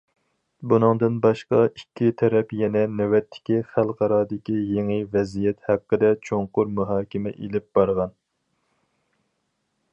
بۇنىڭدىن باشقا، ئىككى تەرەپ يەنە نۆۋەتتىكى خەلقئارادىكى يېڭى ۋەزىيەت ھەققىدە چوڭقۇر مۇھاكىمە ئېلىپ بارغان.